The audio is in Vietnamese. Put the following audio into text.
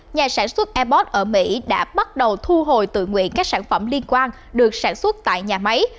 nhà sản xuất airbot ở mỹ đã bắt đầu thu hồi tự nguyện các sản phẩm liên quan được sản xuất tại nhà máy